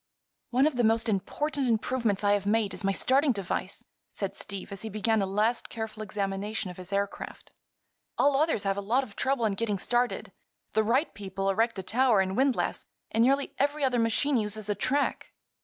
"One of the most important improvements I have made is my starting device," said Steve, as he began a last careful examination of his aircraft. "All others have a lot of trouble in getting started. The Wright people erect a tower and windlass, and nearly every other machine uses a track."